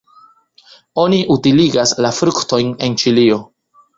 Oni utiligas la fruktojn en Ĉilio.